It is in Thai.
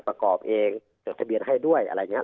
ประกอบเองจดทะเบียนให้ด้วยอะไรอย่างนี้